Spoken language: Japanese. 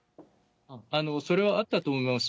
それはあったと思います。